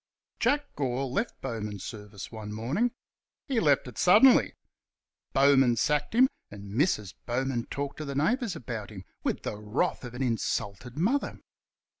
Jack Gore left Bowman's service one morning. He left it suddenly. Bowman sacked him, and Mrs. Bowman talked to the neighbours about him with the wrath of an insulted mother.